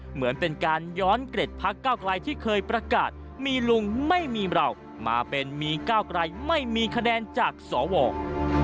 เหมือนเป็นการย้อนเกร็ดพักเก้าไกลที่เคยประกาศมีลุงไม่มีเรามาเป็นมีก้าวไกลไม่มีคะแนนจากสว